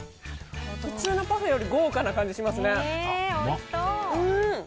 普通のパフェより豪華な感じがしますね。